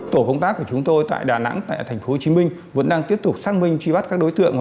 tổ công tác của chúng tôi tại đà nẵng tại tp hcm vẫn đang tiếp tục xác minh truy bắt các đối tượng